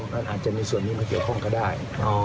มันอาจจะมีส่วนนี้มาเกี่ยวข้องก็ได้